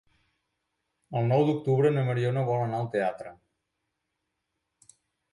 El nou d'octubre na Mariona vol anar al teatre.